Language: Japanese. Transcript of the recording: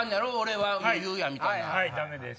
はいダメです。